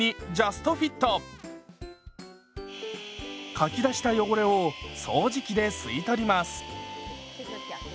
かき出した汚れを掃除機で吸い取ります。